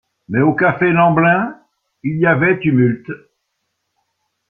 Mais au café Lemblin, il y avait tumulte.